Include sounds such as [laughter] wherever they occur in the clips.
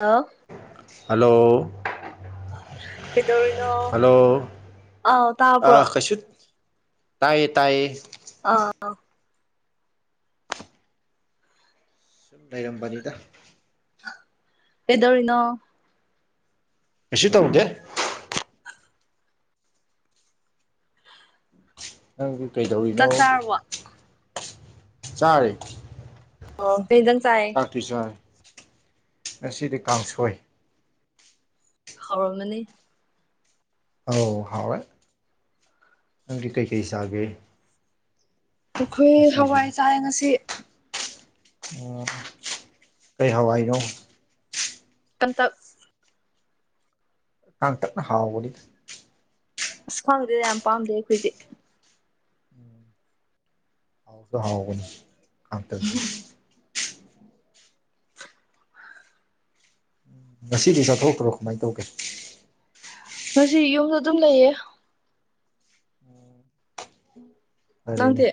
ꯑꯎ ꯍꯜꯂꯣ ꯀꯩꯗꯧꯔꯤꯅꯣ ꯍꯜꯂꯣ ꯑꯥꯎ ꯇꯥꯕ꯭ꯔꯣ ꯑꯥ ꯀꯩꯁꯨꯠ ꯇꯥꯏꯌꯦ ꯇꯥꯏꯌꯦ ꯑꯥ ꯂꯩꯔꯝꯕꯅꯤꯗ ꯀꯩꯗꯧꯔꯤꯅꯣ ꯀꯩꯁꯨ ꯇꯧꯗꯦ ꯅꯪꯗꯤ ꯀꯩꯗꯧꯔꯤꯅꯣ ꯆꯥꯛ ꯆꯥꯔꯕꯣ ꯆꯥꯔꯤ ꯑꯣ ꯀꯩ ꯍꯤꯟꯖꯥꯡ ꯆꯥꯏ ꯉꯁꯤꯗꯤ ꯀꯥꯡꯁꯣꯏ ꯍꯥꯎꯔꯝꯃꯅꯤ ꯑꯧ ꯍꯥꯎꯋ‌ꯦ ꯅꯪꯗꯤ ꯀꯩꯀꯩ ꯆꯒꯦ ꯑꯩꯈꯣꯏ ꯍꯋꯥꯏ ꯆꯥꯏ ꯉꯁꯤ ꯎ ꯀꯔꯤ ꯍꯋꯥꯏꯅꯣ ꯀꯥꯡꯇꯛ ꯀꯥꯡꯇꯛꯅ ꯍꯥꯎꯕꯅꯤ ꯑꯁ ꯈꯪꯗ‌ꯦ ꯌꯥꯝ ꯄꯥꯝꯗꯦ ꯑꯩꯈꯣꯏꯗꯤ ꯑꯗꯨ ꯍꯥꯎꯕꯅꯤ ꯀꯥꯡꯇꯛꯁꯤ ꯉꯁꯤꯗꯤ ꯆꯥꯠꯊꯣꯛꯇ꯭ꯔꯣ ꯀꯃꯥꯏꯅ ꯇꯧꯒꯦ ꯉꯁꯤ ꯌꯨꯝꯗ ꯑꯗꯨꯝ ꯂꯩꯌꯦ ꯐꯔꯦꯅꯦ ꯅꯪꯗꯤ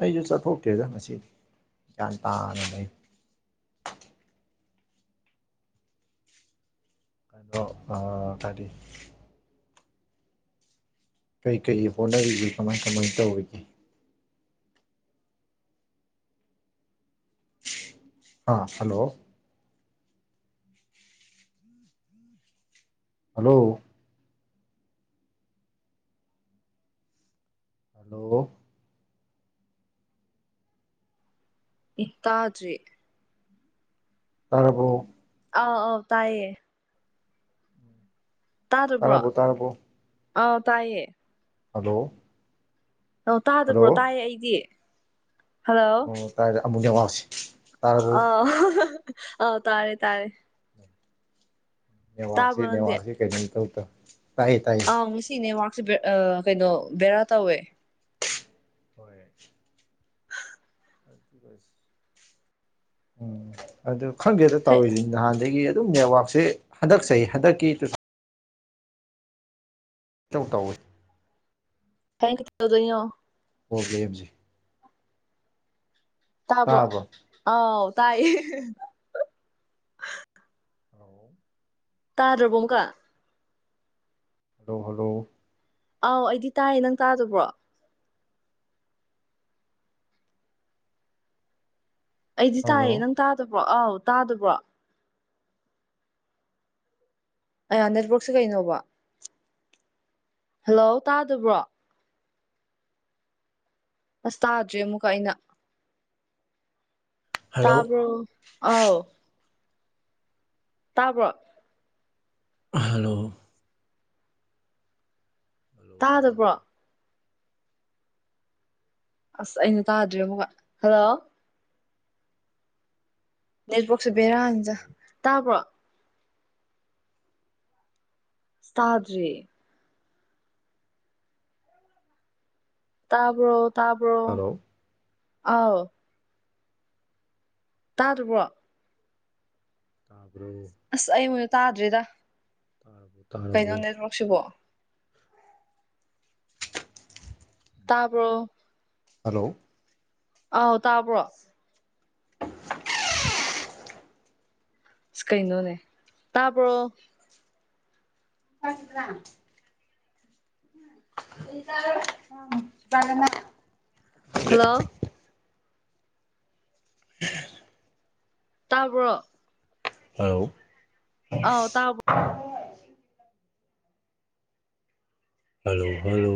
ꯑꯩꯁꯨ ꯆꯠꯊꯣꯛꯇ‌ꯦꯗ ꯉꯁꯤꯗꯤ ꯒ꯭ꯌꯥꯟ ꯇꯥꯅ ꯂꯩ [inaudible] ꯀꯩꯅꯣ ꯑ ꯀꯔꯤ ꯀꯩꯀꯩ ꯍꯣꯠꯅꯔꯤꯒꯦ ꯀꯃꯥꯏ ꯀꯃꯥꯏ ꯇꯧꯔꯤꯒꯦ ꯍꯥꯥ ꯍꯜꯂꯣ ꯍꯜꯂꯣ ꯍꯜꯂꯣ ꯏ ꯇꯥꯗ꯭ꯔ‌ꯦ ꯇꯥꯔꯕ‌ꯣ ꯑꯥꯎ ꯑꯥꯎ ꯇꯥꯏꯌꯦ ꯇꯥꯗꯕ꯭ꯔꯣ ꯇꯔꯕꯨ ꯇꯔꯕꯨ ꯑꯥꯎ ꯇꯥꯏꯌꯦ ꯍꯜꯂꯣ ꯑꯣ ꯇꯥꯗꯕ꯭ꯔꯣ ꯍꯜꯂꯣ ꯇꯥꯏꯌꯦ ꯑꯩꯗꯤ ꯍꯜꯂꯣ ꯑꯣ ꯇꯥꯏꯔꯦ ꯑꯃꯨꯛ ꯅ‌ꯦꯠꯋꯥꯛꯁꯤ ꯑꯥꯎ ꯑꯥꯎ ꯇꯥꯔꯦ ꯇꯥꯔꯦ ꯇꯥꯕ꯭ꯔꯣ ꯅ‌ꯦꯠꯋꯥꯛꯁꯤ ꯅꯪꯗꯤ ꯅ‌ꯦꯠꯋꯥꯛꯁꯤ ꯀꯩꯩꯅꯝ ꯏꯇꯧ ꯇꯧ ꯑꯥꯎ ꯉꯁꯤ ꯅ‌ꯦꯠꯋꯥꯔꯥꯛꯁꯦ ꯕ‌ꯦ ꯀꯩꯅꯣ ꯕꯦꯔꯥ ꯇꯧꯋꯦ ꯍꯣꯏ ꯑꯁ ꯎꯝ ꯑꯗꯨ ꯈꯪꯗ‌ꯦꯗ ꯍꯩ ꯇꯧꯔꯤꯁꯤ ꯅꯍꯥꯟꯗꯒꯤ ꯑꯗꯨꯝ ꯅꯦꯠꯋꯥꯛꯁꯦ ꯍꯟꯗꯛꯆꯍꯤ ꯍꯟꯗꯛꯀꯤ ꯇꯨ ꯊꯥꯎ ꯏꯇꯧ ꯇꯥꯎꯋꯤ [unintelligible] ꯄ꯭ꯔ‌ꯣꯕꯂ‌ꯦꯝꯁꯤ ꯇꯥꯕ꯭ꯔ‌ꯣ ꯇꯥꯕ꯭ꯔꯣ ꯑꯥꯎ ꯇꯥꯏ ꯍꯂ ꯇꯥꯗ꯭ꯔꯕꯣ ꯑꯃ ꯀ ꯍꯜꯂꯣ ꯍꯜꯂꯣ ꯑꯥꯎ ꯑꯩꯗꯤ ꯇꯥꯏꯌꯦ ꯅꯪ ꯇꯥꯗꯕ꯭ꯔꯣ ꯑꯩꯗꯤ ꯍꯜꯂꯣ ꯇꯥꯏꯌꯦ ꯅꯪ ꯇꯥꯗꯕ꯭ꯔꯣ ꯑꯥꯎ ꯇꯥꯗꯕ꯭ꯔꯣ ꯑꯌꯥ ꯅꯦꯠꯋꯔꯛꯁꯦ ꯀꯩꯅꯣꯕ ꯍꯜꯂꯣ ꯇꯥꯗꯕ꯭ꯔꯣ ꯑꯁ ꯇꯥꯗ꯭ꯦ ꯑꯃꯨꯛꯀ ꯑꯩꯅ ꯍꯜꯂꯣ ꯇꯥꯕꯔ ꯑ ꯇꯥꯕ꯭ꯔꯣ ꯍꯜꯂꯣ ꯍꯜꯂꯣ ꯍꯜꯂꯣ ꯇꯥꯗꯕ꯭ꯔꯣ ꯍꯜꯂꯣ ꯑꯁ ꯑꯩꯅ ꯇꯥꯗ꯭ꯔꯤ ꯑꯃꯨꯛꯀ ꯍꯜꯂꯣ ꯅꯦꯠꯕꯣꯛꯁꯕꯔꯖ ꯍꯜꯂꯣ ꯇꯥꯕ꯭ꯔꯣ ꯏꯁꯇꯥꯗ꯭ꯔꯔꯤ ꯇꯥꯕ꯭ꯔꯣ ꯇꯥꯕ꯭ꯔꯣ ꯍꯜꯂꯣ ꯑ ꯇꯥꯗ꯭ꯔꯤꯕ꯭ꯔꯣ ꯇꯥꯕ꯭ꯔꯣ ꯑꯁ ꯑꯩ ꯃꯣꯏꯗ ꯇꯥꯗ꯭ꯔꯤꯗ ꯇꯥꯔꯕꯣ ꯀꯩꯅꯣ ꯇꯥꯔꯕꯣ ꯅ ꯂꯧꯔꯛꯁꯤꯕꯣ ꯇꯥꯕ꯭ꯔꯣ ꯍꯜꯂꯣ ꯑ ꯇꯥꯕ꯭ꯔꯣ ꯀꯩꯅꯣꯅꯦ ꯇꯥꯕ꯭ꯔꯣ ꯀꯒꯤꯗ꯭ꯔꯥ ꯑꯝ ꯇꯥꯒꯅ‌ꯦ ꯍꯜꯂꯣ [unintelligible] ꯇꯥꯕ꯭ꯔꯣ ꯍꯜꯂꫭ ꯑꯥꯎ ꯇꯥꯕꫭ ꯍꯜꯂꯣ ꯍꯜꯂꯣ